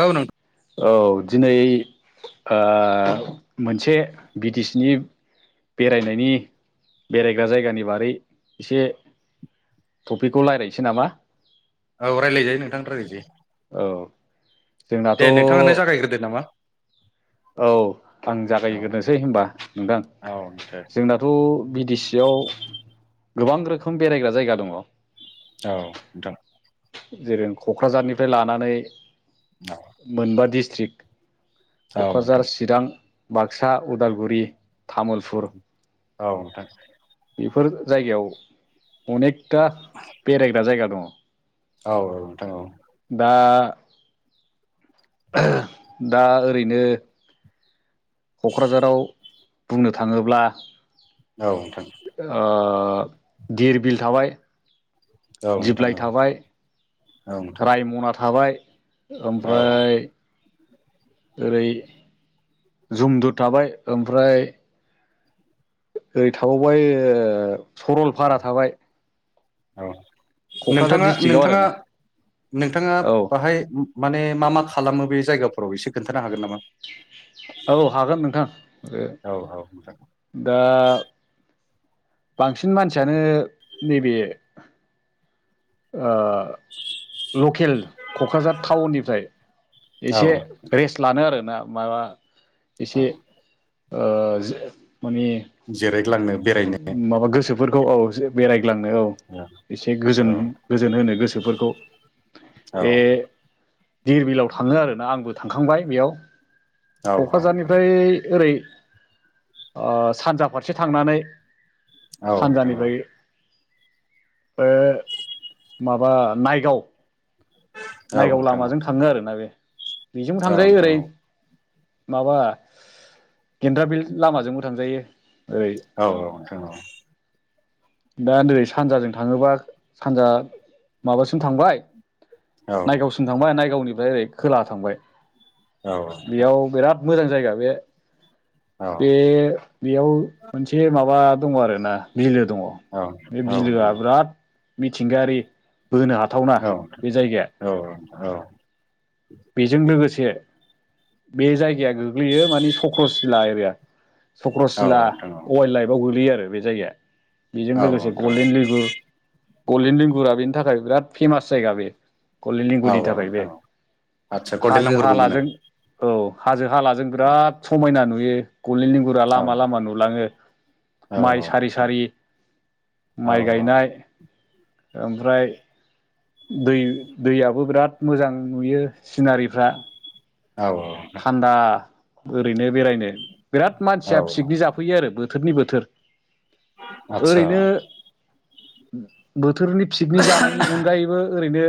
औ नों औ दिनै ओ मोनसे बि टि सि नि बेरायनायनि बेरायग्रा जायगानि बारै इसे टपिकखौ रायलायनोसै नामा औ रायलायजायो नोंथां रायलायजायो । जोंना दे नोंथाङानो जागायग्रोदो नामा औ नोंथां औ जागायग्रोनोसै होनबा औ नोंथां। दे जोंनाथ' बि थि सियाव गोबां रोखोम बेरायग्रा जायगा दङ। औ नोंथां। जेरै क'क्राझारनिफ्राय लानानै [inaudible] मोनबा डिस्ट्रिक्ट औ नोंथां क'क्राझार चिरां बाक्सा उदालगुरि तामुलपुर औ नोंथां बेफोर जायगायाव अनेकथा बेरायग्रा जायगा दङ औ औ नोंथां औ दा [unintelligible] दा ओ ओरैनो क'क्राझाराव बुंनो थाङोब्ला नोंथां औ नोंथां [inaudible] ओ धिर बिल थाबाय औ नोंथां दिप्लाय थाबाय रायमना थाबाय औ ओमफ्राय ओरै जुमदु थाबाय ओमफ्राय ओरै थाबावबाय ओ सरलपारा थाबाय औ। क'क्राझार नोंथाङा डिस्ट्रिक्टआव नोंथाङा आरोना नोंथाङा औ बाहाय माने मा मा खालामो बे जायगाफोराव इसे खोनथा औ हागोन नोंथां ओ औ औ नोंथां [inaudible] दा बांसिन मानसियानो नैबे ओ लकेल क'क्राझार थाउननिफ्राय औ एसे रेस्ट लानो आरो [unintelligible] एसे औ ओ जे जिरायग्लांनो [unintelligible] बेरायनो माबा गोसो फोरखौ औ इसे बेरायग्लांनो औ इसे गोजोन औ गोजोन होनो गोसोफोरखौ औ बे धिरबिलाव थाङो आरोना आंबो थांखांबाय बेयाव। औ नोंथां क'क्राझारनिफ्राय ओरै [inaudible] ओ सानजा फारसे थांनानै औ नोंथां सानजानिफ्राय औ [inaudible] ओ माबा नायगाव। औ नायगाव नोंथां लामाजों थाङो आरोना बे। बेजोंबो औ औ थांजायो नोंथां ओरै। माबा, गेन्द्रा बिल लामाजोंबो थांजायो। ओरै औ औ नोंथां औ। दा नै सानजाजों थाङोबा सानजा माबासिम थांबाय, औ नायगावसिम थांबाय नायगावनिफ्राय ओरै खोलाहा थांबाय । औ नोंथां। मोजां जायगा बे औ बे बेयाव मोनसे माबा दङ आरोना बिलो दङ, औ बे नोंथां बिलोआ बिराद मिथिंगायारि बोनो हाथावना औ बे जायगाया। औ औ बेजों लोगोसे बे जायगाया गो ग्लैयो माने सक्रसिला एरिया औ सक्रसिला नोंथां वाइल्ड लाइफआव गोग्लैयो आरो। बो जायगाया बेजों औ लोगोसे नोंथां औ गल्देन लेंगुर गलडेन लिंगुरा बेनि थाखाय बिराद फेमास जायगा बे गलडेन औ लेंगुरनि थाखाय बे नोंथां औ आदसा गल्डेन हाजो नाम्बारबो मोनो हालाजों औ हाजो हालाजों बिराद समायना नुयो गुलडिन लिंगुरा औ लामा लामा नुलाङो औ माइ सारि सारि माइ गायनाय [inaudible] ओमफ्राय दै दैयाबो बिराद मोजां नुयो सिनारिफ्रा औ। थान्दा ओरैनो बेरायनो बिराद औ मानसिया पिकनिक जाफैयो आरो बोथोर बोथोरनि बोथोर आदसा ओरैनो बोथोरनि पिकनिक जानायनि अनगायैबो ओरैनो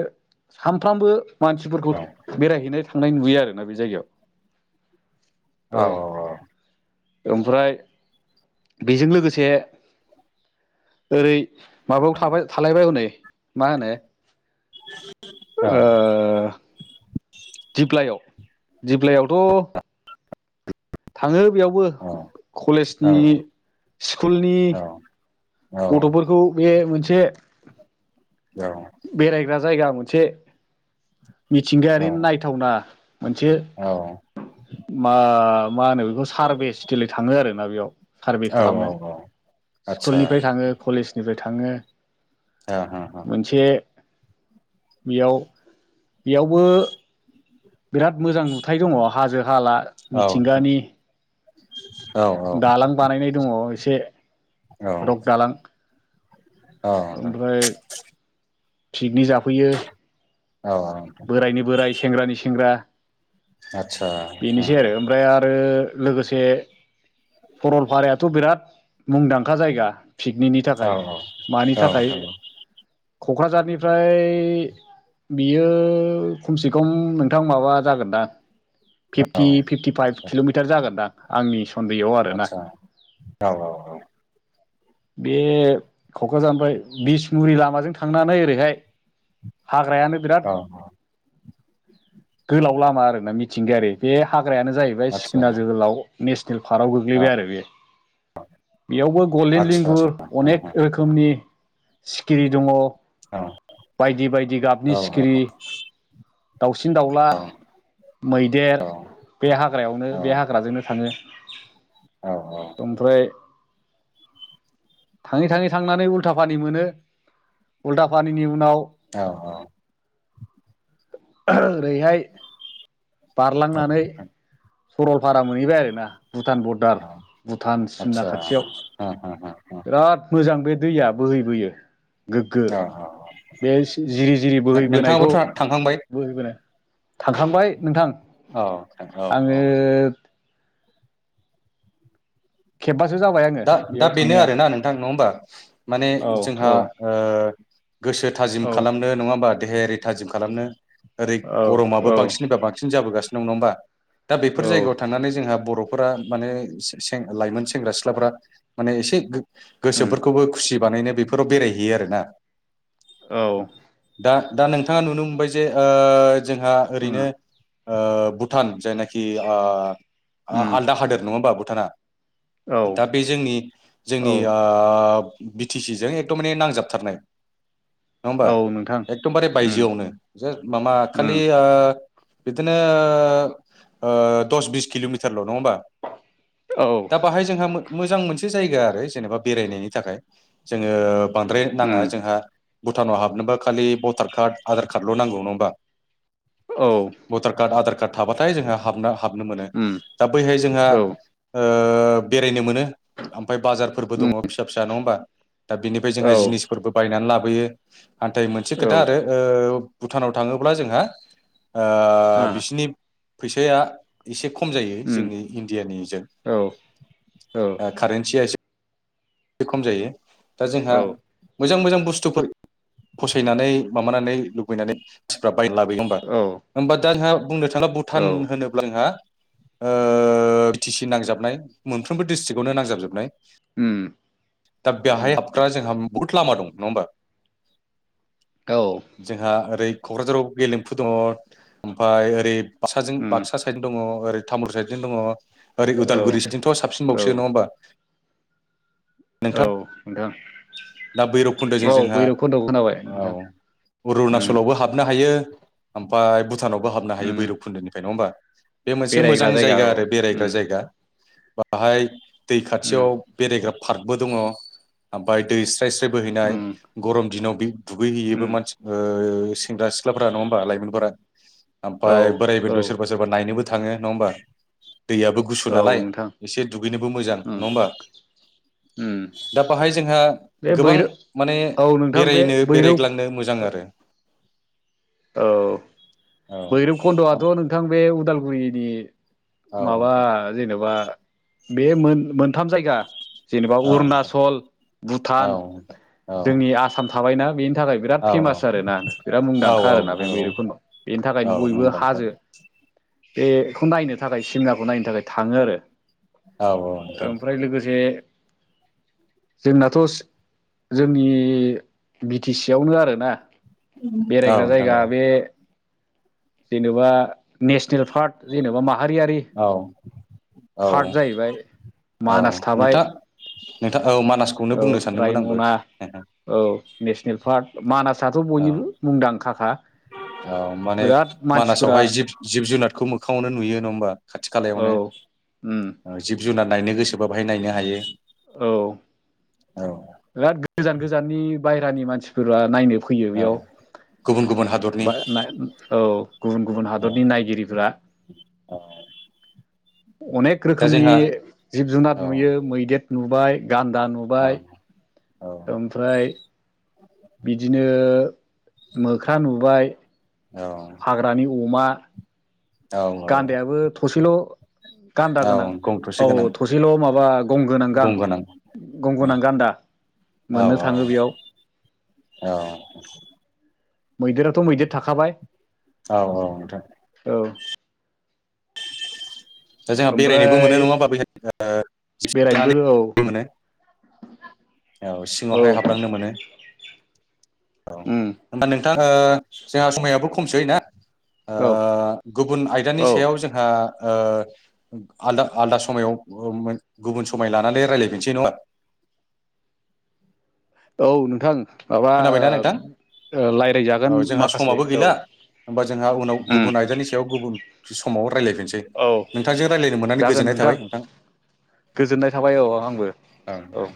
सानफ्रामबो मानसिफोरखौ औ बेरायहैनाय थांनाय नुयो आरोना बे जायगायाव औ औ औ ओमफ्राय बेजों लोगोसे ओरै माबायावाबाय थालायबाय हनै मा होनो ओ औ [inaudible] दिप्लायाव दिप्लायावथ' थाङो बेयावबो औ कलेजनि स्कुलनि गथ'फोरखौ बे मोनसे [inaudible] बेरायग्रा जायगा मोनसे मिथिंगायारि नायथावना मोनसे [inaudible] मा मा होनो बेखौ सारभे [unintelligible] थाङो आरोना बेयाव सारभे खालामनो स्कुलनिफ्राय थाङो कलेजनिफ्राय थाङो [unintelligible] [unintelligible] बिआव बेयावबो बिराद मोजां नुथाय दङ हाजो हाला मिथिंगानि दालां बानायनाय दङ एसे रक दालां औ नोंथां ओमफ्राय पिकनिक जाफैयो बोरायनि बोराय सेंग्रानि सेंग्रा बेनोसै आरो ओमफ्राय आरो लोगोसे सरलपारायाथ' बिराद मुंदांखा जायगा पिकनिनि थाखाय मानि थाखाय क'क्राझारनिफ्राय बियो खमसे खम नोंथां माबा जागोन दा फिफ्टि फिफ्टिफाइभ किल'मिटार जागोनदां आंनि सन्देहआव आरोना आतसा औ औ औ बे क'क्राझारनिओफ्राय बिसमुरि लामाजों थांनानै ओरैहाय हाग्रायानो बिराद औ गोलाव लामा आरोना मिथिंगायारि बे हाग्रा ग्रायानो जाहैबाय आतसा सिखना जोहोलाव नेसनेल पार्कआव औ गोग्लैबाय आरो बे बेयावबो गल्डेन आदसा लिंगुर औ अनेक रोखोमनि सिखिरि दङ आदसा बायदि बायदि गाबनि सिखिरि दाउसिन दाउला आदसा औ मैदेर औ बे हाग्रायावनो बे हाग्राजोंनो थाङो औ औ ओमफ्राय थाङै थाङै थांनानै उल्था पानि मोनो उल्था पानिनि उनाव औ औ ओरैहाय बारलांनानै सरलपारा मोनहैबाय आरो ना भुटान बरदार भुटान सिमना आतसा खाथियाव ओ बिराद मोजां बे दैया बोहै बोयो गोग्गो ओ औ आदसा बे जिरि जिरि बोहैबोनायखौ नोंथाङाबोथ' थांखांबाय बोहैबोनो थांखांबाय नोंथां औ औ औ आङो खेबबा दा दा बेनो आरोना नोंथां नङा ओमबा माने औ जोंहा औ ओ गोसो थाजिम औ खालामनो नङा ओमबा? देहायारि थाजिम खालामनो ओरै औ औ गरमाबो बांसिनबा बांसिन जाबोगासिनो दं नङा ओमबा? दा बेफोर औ जायगायाव थांनानै जोंहा बर'फोरा माने सें सें लाइमोन सेंग्रा सिख ख्लाफ्रा माने एसे उम गोसोफोरखौबो खुसि बानायनो बेफोराव बेरायहैयो आरोना औ । दा दा नोंथाङा नुनो मोनबाय जे ओ जोंहा उम ओरैनो ओ भुटान जायनाखि ओ उम आलदा हादोर नङा होमबा भुटाना? औ दा बे जोंनि औ जोंनि ओ बि टि सिजों एकदम माने नांजाबथारनाय । नङा ओमबा औ नोंथां एकदमबारे उम बायजोआवनो जे माबा उम खालि ओ बिदिनो ओ द'स बिस किल'मिटारल' नङा होमबा औ, दा बाहाय जोंहा मो- मोजां मोनसे जायगा आरो जेनेबा बेरायनायनि थाखाय जोङो। बांद्राय नाङा उम जोंहा भुटानाव हाबनोबा खालि भटार कार्ड आधार कार्डल' नांगौ नङा होमबा। औ उम औ भटार कार्ड आधार कार्ड थाबाथाय जोंहा हाबनो हा- हाबनो मोनो उम दा बैहाय जोंहा ओ- बेरायनो मोनो ओमफ्राय बाजारफोरबो दङ फिसा फिसा नङा होमबा। दा बिनिफ्राय औ जोंहा जिनिसफोरबो बायनानै ला बोयो नाथाय मोनसे खोथा आरो ओ भुटानाव थाङोब्ला जोंहा। आ ओ बिसिनि फैसाया एसे खम खम जायो उम जोंनि इन्दिया नि जों औ औ ओ खारिनसिया एसे बे खम जायो औ बुस्थुफोर फसायनानै माबानानै लुबैनानै मानसिफ्रा बाय लाबोग हबा औ होमबा दा आंहा बुंनो थाङा भुटान होनोब्ला आंहा ओ बि टि सि नांजाबनाय मोनफ्रोमबो डिस्ट्रिक्टआवनो नांजाबजोबनाय। उम उम औ दा उम बेहाय हाबग्रा जोंहा बहुत लामा दं नङा होमबा औ जोंहा ओरै क'क्राझाराव गेलेमफु दङ ओमफाय ओरै बाक्साजों बाक्सा साइडजों दङ ओरै तामुल साइडजों दङ ओरै औ उदालगुरिसोथिंथ' साबसिनबावसो नङा होमबा नोंथां औ नोंथां दा बैरबखुन्दोजों जोंहा भैरब खन्द'खौ खोनाबाय नोंथां औ उम अरुणाचलावबो हाबनो हायो। ओमफाय भुटानावबो हाबनो हायो उम भैरब खुन्दोनिफ्राय नङा होमबा बे मोनसे बेरायग्रा मोजां जायगा औ आरो बेरायग्रा उम जायगा बाहाय दै उम खाथियाव बेरायग्रा पार्कबो दङ ओमफ्राय दै स्राय स्राय बोहैनाय उम गरम दिनाव बे दुगैहैयोबो उम मानसि सेंग्रा सिख्लाफोरा नङा हबा लाइमोनफोरा औ ओमफ्राय बोराय औ बेन्थ' सोरबा सोरबा नायनोबो थाङो नङा होमबा? दैयाबो गुसु औ नालाय नोंथां एसे दुगैनोबो मोजां उम नङा होमबा? उम दा बाहाय जोंहा बे गोबां बैरो माने औ नोंथां बे बेरायनो बैरौ बेरायग्लांनो मोजां आरो औ औ भैरब खुन्द'आथ' नोंथां बे उदालगुरिनि औ माबा नोंथां जेनेबा बे मोन मोनथाम जायगा जेनेबा औ नोंथां अरुनाचल भुटान औ जोंनि आसाम थाबायना बेनि थाखाय बिराद औ फेमास आरोना बिराद मुंदांखा खा औ आरोना बे नोंथां औ मैरुफोरनाव बेनि औ थाखायनो बयबो मुंदांखा हाजो बेखौ नायनो थाखाय सिमनाखौ नायनो थाखाय थाङो आरो औ औ नोंथां ओमफ्राय लोगोसे जोंनाथ' जोंनि बि टि सि आवनो आरोना। बेरायग्रा औ नोंथां जायगा औ बे जेनेबा नेसनेल पार्क जेनेबा मा औ औ पार्ट जाहैबाय औ मानास थाबाय नोथां नोंथां औ मानासखौनो औ बुंनो सानदोंमोन आंबो रायमना मानासाथ' औ बयनिबो मुंदांखाखा नै बिराद मानसिफोरा मानासावहाय जिब जिब जुनारखौ मोखाङावनो नुयो नङा होमबा खाथि औ खालायावनो उम जिब जुनार नायनो गोसोबा बाहाय नायनो हायो औ औ बिराद गोजान गोजाननि बायेरानि मानसिफोरा नायनो फैयो औ बेयाव गुबुन गुबुन हादरनि दा नाय औ गुबुन गुबुन औ हादरनि नायगिरिफोरा औ अनेक दा रोखोमनि जोंहा जिब जुनार औ नुयो मैदेर नुबाय गान्दा औ नुबाय ओमफ्राय बिदिनो मोख्रा नुबाय औ हाग्रानि अमा औ गान्दायाबो थसेल' गान्दा औ गोनां गं थसे औ गोनां थसेल' माबा गंगोनां गां गं गोनां औ गंगोनां गान्दा मोननो थाङो बेयाव ए मैदेराथ' मैदेर थाखाबाय औ औ नोंथां ओ जोंहा बेरायनोबो मोनो नङा होमबा बैहाय ओ जोंहा बेरायनोबो औ बेयाव मोनो औ सिङावहाय हाबलांनो मोनो औ उम होमबा नोंथां जोंहा समायाबो खमसै ना ओ औ गुबुन आयदानि औ सायाव जोंहा ओ आलदा आलदा समायाव गुबुन समाय लानानै रायलायफिनसै नङा [inaudible] औ नोंथां माबा खोनाबायना नोंथां रायलायजागोन औ जोंहा माखासे समाबो औ गैला होमबा जोंहा उनाव उम गुबुन आयदानि सायाव गुबुन रायलायफिनसै औ नोंथांजों रायलायनो मोननानै गोजोननाय थाबाय नोंथां गोजोननाय थाबाय औ आंबो औ